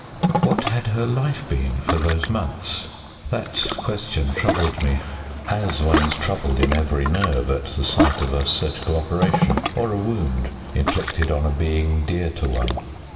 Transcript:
What had her life been for those months? That question troubled me, as one is troubled in every nerve at the sight of a surgical operation or a wound inflicted on a being dear to one.